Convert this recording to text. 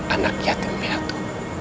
anak yatim piatu